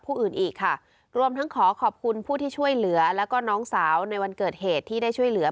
อื่นอีกค่ะรวมทั้งขอขอบคุณผู้ที่ช่วยเหลือแล้วก็น้องสาวในวันเกิดเหตุที่ได้ช่วยเหลือ